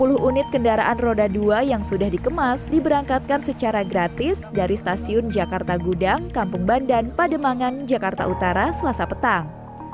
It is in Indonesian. sepuluh unit kendaraan roda dua yang sudah dikemas diberangkatkan secara gratis dari stasiun jakarta gudang kampung bandan pademangan jakarta utara selasa petang